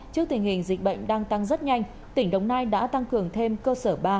trước tình hình dịch bệnh đang tăng rất nhanh tỉnh đồng nai đã tăng cường thêm cơ sở ba